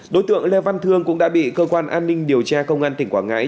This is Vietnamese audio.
đối tượng lê văn thương cũng đã bị cơ quan an ninh điều tra công an tỉnh quảng ngãi